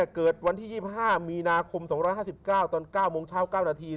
เกิดวันที่๒๕มีนาคม๒๕๙ตอน๙โมงเช้า๙นาที